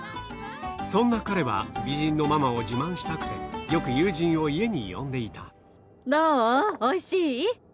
そんな彼は美人のママを自慢したくてよく友人を家に呼んでいたどう？